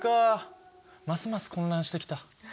ますます混乱してきた。